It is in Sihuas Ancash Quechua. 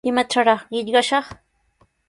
¿Imatrawraq qillqashaq?